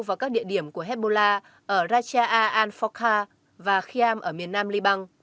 vào các địa điểm của hezbollah ở raja a al fokha và khiam ở miền nam liban